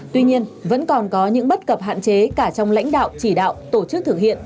tuy nhiên vẫn còn có những bất cập hạn chế cả trong lãnh đạo chỉ đạo tổ chức thực hiện